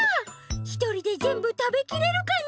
ひとりでぜんぶたべきれるかなあ？